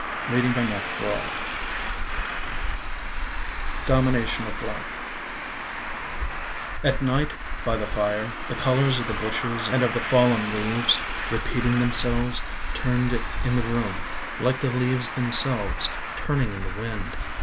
WALLACE STEVENS 131 DOMINATION OF BLACK At night, by the fire, The colors of the bushes And of the fallen leaves, Repeating themselves, Turned in the room, Like the leaves themselves Turning in the wind.